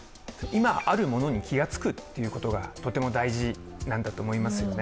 今あるものに気がつくっていうことがとても大事なんだと思います。